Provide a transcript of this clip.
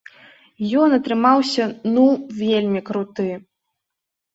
Ён атрымаўся, ну, вельмі круты!